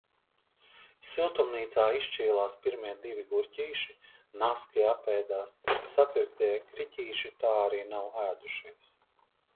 Siltumnīcā izšķīlās pirmie divi gurķīši, naski apēdās. Sapirktie griķīši tā arī nav ēdušies.